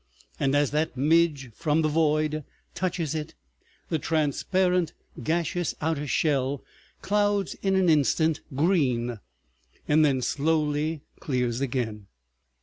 And as that midge from the void touches it, the transparent gaseous outer shell clouds in an instant green and then slowly clears again.